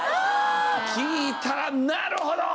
聞いたらなるほど！